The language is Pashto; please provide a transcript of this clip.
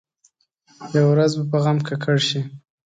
یوه ورځ به په غم ککړ شي.